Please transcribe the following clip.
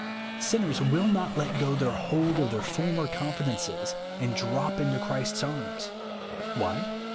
Smners will not let go their hold of their former confidences and drop into Christ's ^rms. Why?